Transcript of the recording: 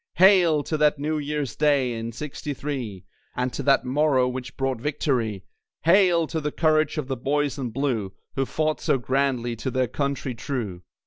Hail! to that New Year's Day in 'Sixty three, And to that morrow which brought victory. Hail! to the courage of the Boys in Blue, Who fought so grandly, to their Country true.